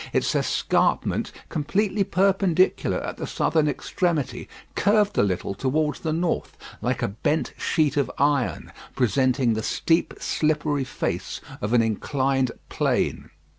Its escarpment, completely perpendicular at the southern extremity, curved a little towards the north, like a bent sheet of iron, presenting the steep slippery face of an inclined plane.